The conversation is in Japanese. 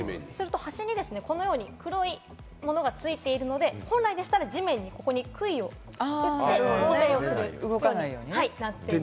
端にこのように黒いものが付いているので、本来でしたら地面にくいを打って固定します。